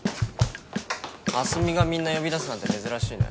明日美がみんな呼び出すなんて珍しいね